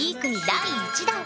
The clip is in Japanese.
第１弾！